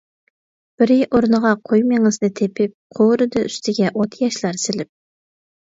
بىرى ئورنىغا قوي مېڭىسىنى تېپىپ، قورۇدى ئۈستىگە ئوتياشلار سېلىپ.